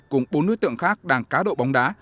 cùng bốn đối tượng khác đang cá độ bóng đá